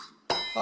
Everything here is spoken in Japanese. あ！